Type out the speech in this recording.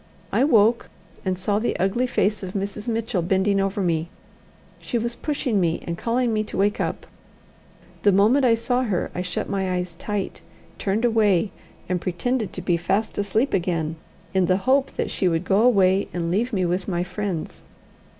I woke and saw the ugly face of Mrs. Mitchell bending over me. She was pushing me, and calling to me to wake up. The moment I saw her I shut my eyes tight, turned away, and pretended to be fast asleep again, in the hope that she would go away and leave me with my friends.